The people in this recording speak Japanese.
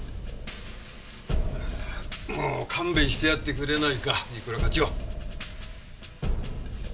ああもう勘弁してやってくれないか藤倉課長。